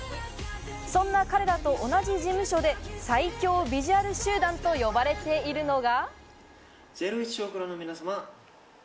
そんな彼らと同じ事務所で最強ビジュアル集団と呼ばれているのが。